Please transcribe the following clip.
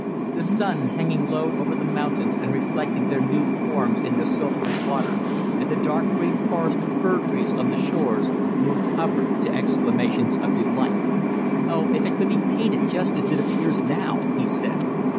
The sun hanging low over the mountains and reflecting their nude forms in the silvery water, and the dark green forest of fir trees on the shores moved Hubbard to exclamations of delight. "Oh, if it could be painted just as it appears now!" he said.